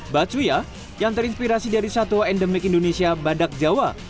bacuya yang terinspirasi dari satwa endemik indonesia badak jawa